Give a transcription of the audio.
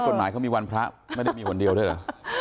กฎหมายเขามีวันพระไม่ได้มีวันเดียวด้วยเหรอ